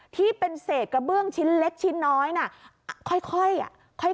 ที่เป็นเศษกระเบื้องชิ้นเล็กชิ้นน้อยน่ะค่อยอ่ะค่อย